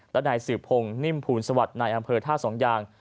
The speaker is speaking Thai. ตระนายสืบพงษ์นิ่มภูมิสวรรค์ในอำเภอท่า๒ยาง